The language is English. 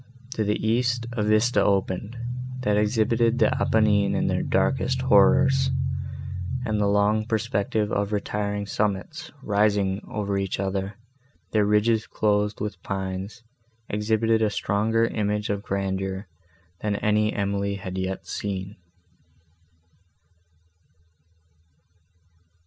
To the east, a vista opened, that exhibited the Apennines in their darkest horrors; and the long perspective of retiring summits, rising over each other, their ridges clothed with pines, exhibited a stronger image of grandeur, than any that Emily had yet seen.